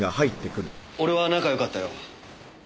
俺は仲良かったよ。